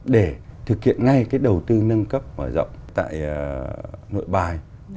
để thực hiện ngay đầu tư nâng cấp và rộng tại nội bài